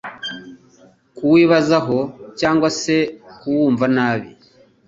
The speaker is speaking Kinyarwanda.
kuwibazaho' cyaugwa se kuwuvuga nabi.